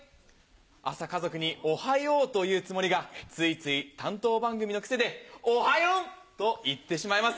朝家族に「おはよう」と言うつもりがついつい担当番組の癖で「おはよん！」と言ってしまいます。